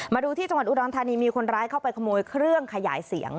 มาดูที่จังหวัดอุดรธานีมีคนร้ายเข้าไปขโมยเครื่องขยายเสียง